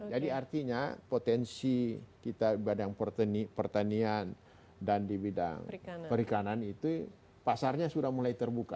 jadi artinya potensi kita di badan pertanian dan di bidang perikanan itu pasarnya sudah mulai terbuka